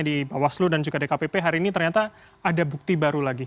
di bawaslu dan juga dkpp hari ini ternyata ada bukti baru lagi